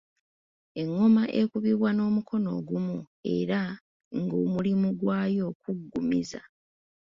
Engoma ekubibwa n’omukono ogumu era ng’omulimu gwayo kuggumiza.